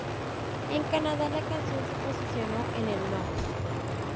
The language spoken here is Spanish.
En Canadá la canción se posicionó en el No.